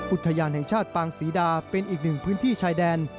อุทยานแห่งชาติปางศรีดาเป็นอีกหนึ่งพื้นที่ชายแดน